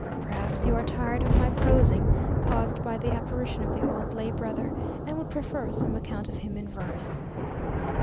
Perhaps you are tired of my prosing (caused by the apparition of the old lay brother), and would prefer some account of him in verse.